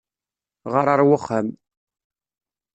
Ɣeṛ ar wexxam!